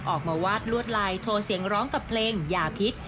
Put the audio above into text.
ออกมาวาดลวดลายโชว์เสียงร้องกับเพลงอย่าพิษ